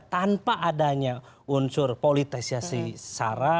tanpa adanya unsur politisasi sara